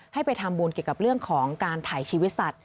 ให้ไปทำบุญเกี่ยวกับเรื่องของการถ่ายชีวิตสัตว